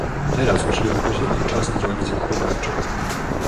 Teraz musimy wykorzystać ten czas na działania zapobiegawcze